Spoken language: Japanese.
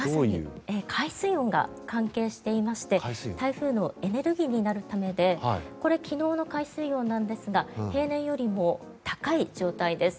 まさに海水温が関係していまして台風のエネルギーになるためでこれ、昨日の海水温なんですが平年よりも高い状態です。